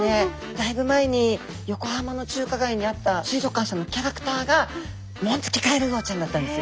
だいぶ前に横浜の中華街にあった水族館さんのキャラクターがモンツキカエルウオちゃんだったんです。